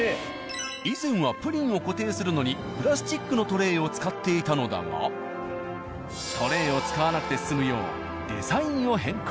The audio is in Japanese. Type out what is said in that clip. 以前はプリンを固定するのにプラスチックのトレーを使っていたのだがトレーを使わなくて済むようデザインを変更。